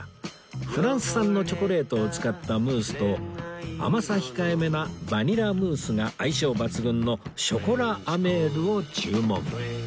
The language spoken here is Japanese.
フランス産のチョコレートを使ったムースと甘さ控えめなバニラムースが相性抜群のショコラ・アメールを注文